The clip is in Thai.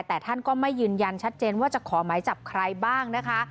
แต่ท่านก็ไม่ยืนยันชัดเจนว่าจะขอหมายจับใครบ้างนะคะ